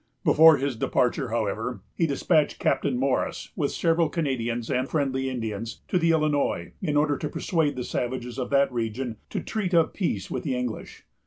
Before his departure, however, he despatched Captain Morris, with several Canadians and friendly Indians, to the Illinois, in order to persuade the savages of that region to treat of peace with the English.